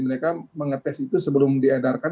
mereka mengetes itu sebelum diedarkan